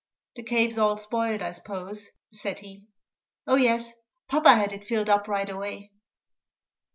"The cave's all spoiled, I s'pose?" said he. "Oh yes. Papa had it filled up right away."